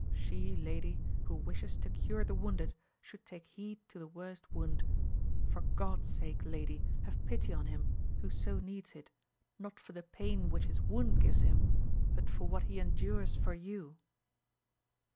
She, Lady, who wishes to cure the wounded should take heed to the worst wound ; for God's sake lady have pity on him, who so needs it, not for the pain which his wound gives him, but for what he endures for you.